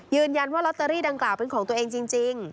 ยืนยันว่าลอตเตอรี่ดังกล่าวเป็นของตัวเองจริง